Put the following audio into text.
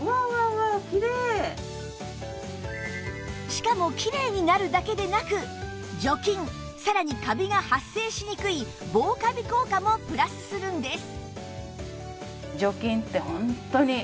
しかもキレイになるだけでなく除菌さらにカビが発生しにくい防カビ効果もプラスするんです